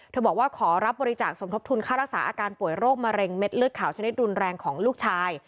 บอกว่าขอรับบริจาคสมทบทุนค่ารักษาอาการป่วยโรคมะเร็งเม็ดเลือดขาวชนิดรุนแรงของลูกชาย